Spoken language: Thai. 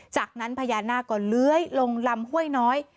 จากนั้นพญานาคก็เลื้อยลงลำห้วยน้อย